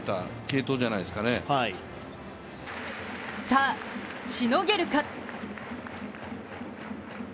さあ、しのげるか。